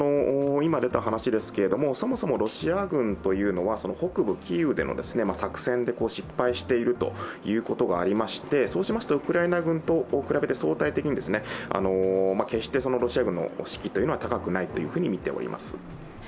やはり、そもそもロシア軍というのは北部キーウでの作戦で失敗しているということがありましてそうしますとウクライナ軍と比べて相対的に、決してロシア軍の士気は高くないと思います。